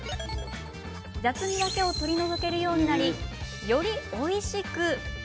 雑味だけを取り除けるようになりより、おいしく。